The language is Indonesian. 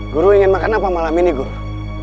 guru ingin makan apa malam ini guru